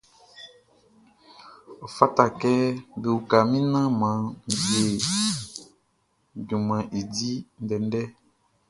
Ɔ fata kɛ be uka min naan mʼan wie junmanʼn i di ndɛndɛ.